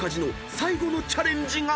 最後のチャレンジが］